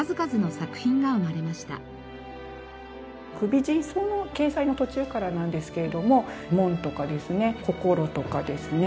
『虞美人草』の掲載の途中からなんですけれども『門』とかですね『こころ』とかですね